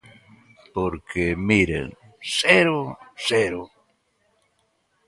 Porque, miren, ¡cero, cero!